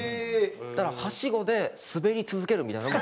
だからはしごでスベり続けるみたいなのも。